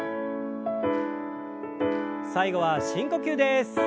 最後は深呼吸です。